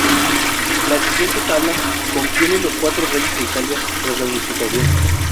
La siguiente tabla contiene los cuatro reyes de Italia tras la unificación.